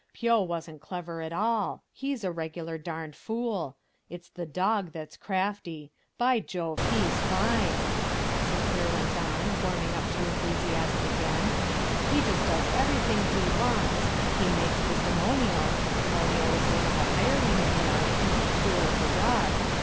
Pio wasn't clever at all; he's a regular darned fool. It's the Dog that's crafty. By Jove, he's fine," Sinclair went on; warming up to enthusiasm again, "he just does anything he wants. He makes this Demonio (Demonio is one of those hirelings, you know, he's the tool of the Dog)...